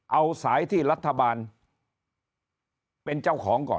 เอาสายที่รัฐบาลเป็นเจ้าของก่อน